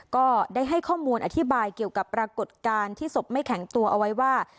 ก็ได้ให้ข้อมูลอธิบายเกี่ยวกับปรากฏการณ์ที่ศพไม่แข็งตัวเอาไว้ว่า